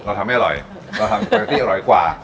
เราทำสปาโกะตี้อร่อยกว่า